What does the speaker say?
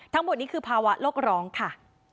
ทั้งหมดนี้คือภาวะโลกร้องค่ะ